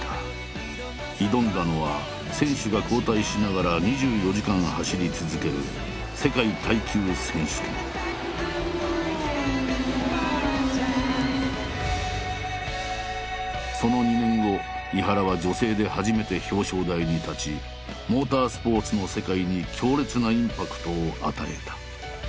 挑んだのは選手が交代しながら２４時間走り続けるその２年後井原は女性で初めて表彰台に立ちモータースポーツの世界に強烈なインパクトを与えた。